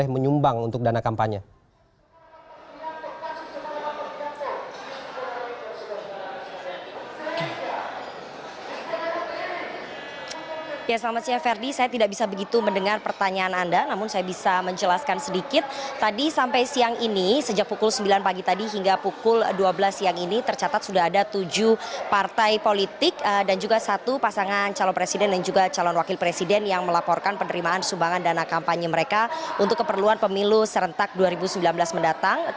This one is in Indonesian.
tadi sampai siang ini sejak pukul sembilan pagi tadi hingga pukul dua belas siang ini tercatat sudah ada tujuh partai politik dan juga satu pasangan calon presiden dan juga calon wakil presiden yang melaporkan penerimaan sumbangan dana kampanye mereka untuk keperluan pemilu serentak dua ribu sembilan belas mendatang